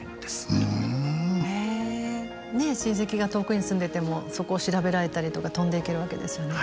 ねえ親戚が遠くに住んでてもそこを調べられたりとか飛んでいけるわけですよね。